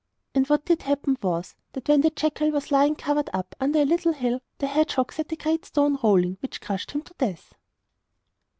And what did happen was, that when the jackal was lying covered up, under a little hill, the hedgehog set a great stone rolling, which crushed him to death.